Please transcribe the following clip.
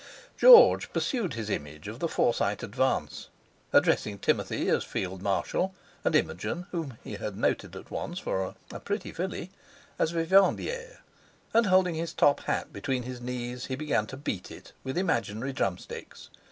George pursued his image of the Forsyte advance, addressing Timothy as Field Marshal; and Imogen, whom he had noted at once for "a pretty filly,"—as Vivandière; and holding his top hat between his knees, he began to beat it with imaginary drumsticks.